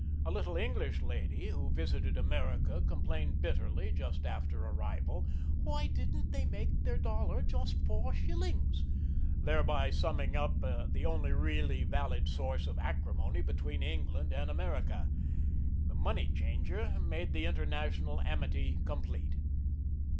A little English lady who visited America complained bitterly, just after arrival, "Why didn't they make their dollar just four shillings?" thereby summing up the only really valid source of acrimony between England and America. The money changer made the international amity complete.